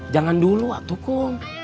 jangan dulu atukun